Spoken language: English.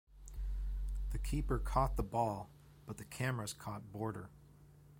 The keeper caught the ball, but the cameras caught Border.